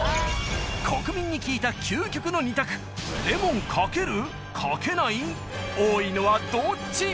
国民に聞いたレモン多いのはどっち？